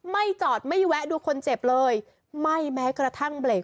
ไม่จอดไม่แวะดูคนเจ็บเลยไม่แม้กระทั่งเบรก